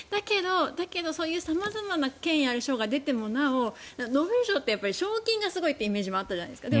だけど、そういう様々な権威ある賞が出てもなおノーベル賞って賞金がすごいってイメージもあったじゃないですか。